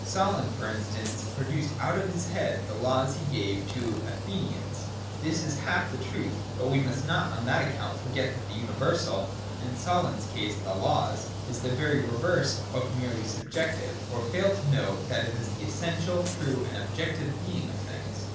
Solon, for instance, produced out of his head the laws he gave to the Athenians. This is half of the truth : but we must not on that account forget that the universal (in Solon's case, the laws) is the very reverse of merely subjective, or fail to note that it is the essential, true, and objective being of things.